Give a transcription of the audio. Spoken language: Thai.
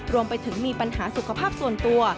รวมไปถึงมีปัญหาสุขภาพส่วนตัว